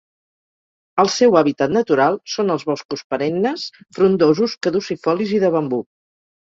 El seu hàbitat natural són els boscos perennes, frondosos, caducifolis i de bambú.